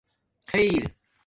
خیر